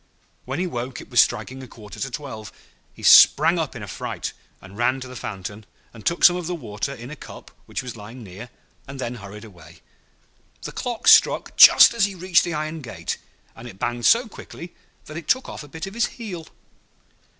When he woke it was striking a quarter to twelve. He sprang up in a fright, and ran to the fountain, and took some of the water in a cup which was lying near, and then hurried away. The clock struck just as he reached the iron gate, and it banged so quickly that it took off a bit of his heel.